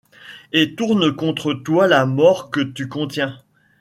Et tourne contre toi la mort que tu contiens !